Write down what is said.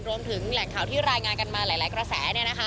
รวมถึงแหล่งข่าวที่รายงานกันมาหลายกระแสเนี่ยนะค่ะ